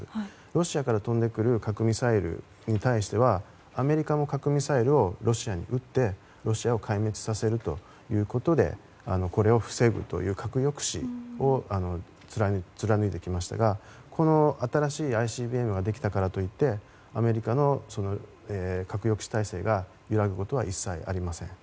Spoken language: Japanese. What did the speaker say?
ロシアから飛んでくる核ミサイルに対してはアメリカの核・ミサイルをロシアに打って壊滅させることをこれを防ぐという核抑止を貫いてきましたが新しいＩＣＢＭができたからといってアメリカの核抑止体制が揺らぐことは一切ありません。